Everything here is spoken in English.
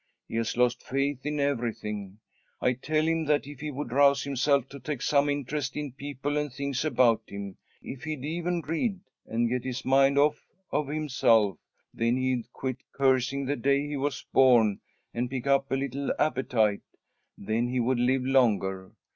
He has lost faith in everything. I tell him that if he would rouse himself to take some interest in people and things about him, if he'd even read, and get his mind off of himself, then he'd quit cursing the day he was born, and pick up a little appetite. Then he would live longer.